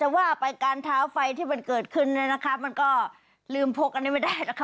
แต่ว่าไปการเท้าไฟที่มันเกิดขึ้นเนี่ยนะคะมันก็ลืมพกอันนี้ไม่ได้นะคะ